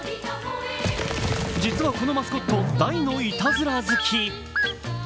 実はこのマスコット、大のいたずら好き。